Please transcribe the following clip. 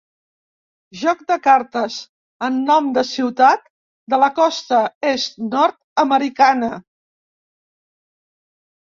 Joc de cartes amb nom de ciutat de la costa Est nord-americana.